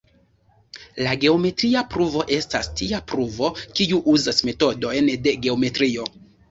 La geometria pruvo estas tia pruvo, kiu uzas metodojn de geometrio.